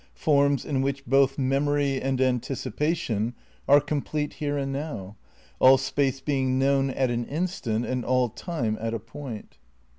Fornas in which both mem tL^' ory and anticipation are complete here and now, all ness space being known at an instant and aU time at a point.